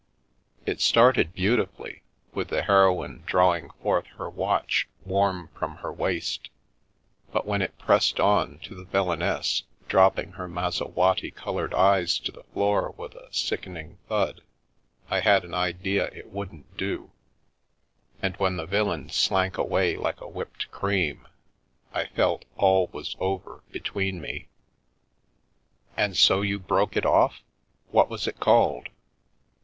It started beauti fully with the heroine * drawing forth her watch warm from her waist, 9 but when it pressed on to the villainess ' dropping her Mazawattee coloured eyes to the floor with a sickening thud ' I had an idea it wouldn't do, and when the villain 'slank away like a whipped cream' I felt all was over between me." " And so you broke it off. What was it called